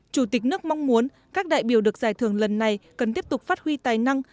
chủ tịch nước mong muốn các đại biểu được giải thưởng lần này cần tiếp tục phát huy tài năng